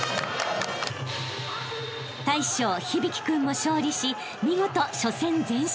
［大将響君も勝利し見事初戦全勝］